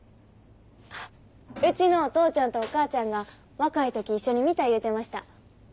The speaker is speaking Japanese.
あっうちのお父ちゃんとお母ちゃんが若い時一緒に見た言うてました。